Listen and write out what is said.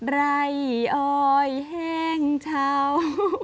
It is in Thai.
ไล่ออยแห้งเฉา